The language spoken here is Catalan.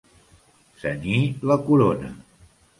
Cenyir la corona.